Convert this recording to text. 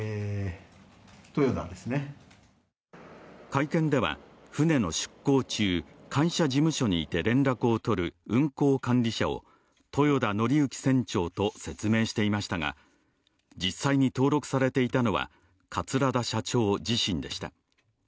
会見では船の出航中会社事務所にいて、連絡を取る運航管理者を豊田徳幸船長と説明していましたが実際に登録されていたのは桂田社長自身でした。